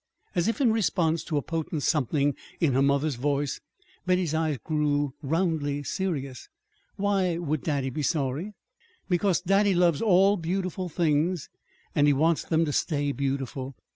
As if in response to a potent something in her mother's voice, Betty's eyes grew roundly serious. "Why would daddy be sorry?" "Because daddy loves all beautiful things, and he wants them to stay beautiful.